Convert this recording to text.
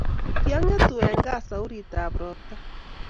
kiangetu en kaa suauritab roptaa